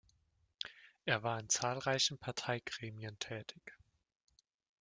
Er war in zahlreichen Parteigremien tätig.